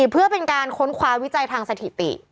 เพื่อเป็นการค้นคว้าวิจัยทางสถิติ